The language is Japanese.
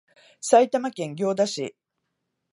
埼玉県行田市